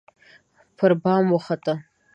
پربام وخته